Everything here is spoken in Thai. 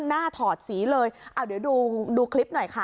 ถอดสีเลยเอาเดี๋ยวดูดูคลิปหน่อยค่ะ